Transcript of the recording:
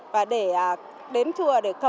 và để đến chùa đều được tiêu tan